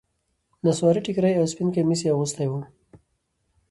نصواري ټيکری او سپين کميس يې اغوستي وو.